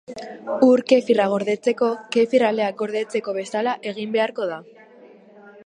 Ur-Kefirra gordetzeko, kefir aleak gordetzeko bezala egin beharko da.